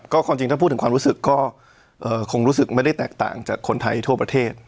ก็ความจริงถ้าพูดถึงความรู้สึกก็คงรู้สึกไม่ได้แตกต่างจากคนไทยทั่วประเทศ